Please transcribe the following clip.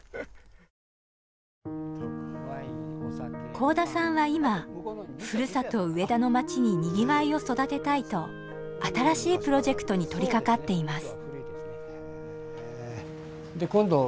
甲田さんは今ふるさと上田の町ににぎわいを育てたいと新しいプロジェクトに取りかかっています。